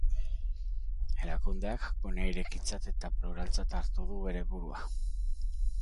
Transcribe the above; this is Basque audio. Erakundeak gune irekitzat eta pluraltzat hartu du bere burua.